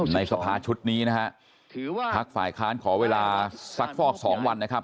ในสภาชุดนี้นะฮะพักฝ่ายค้านขอเวลาสักฟอกสองวันนะครับ